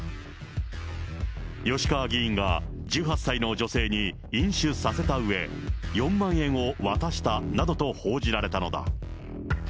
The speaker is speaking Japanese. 吉川議員が１８歳の女性に飲酒させたうえ、４万円を渡したなどと報じられたのだ。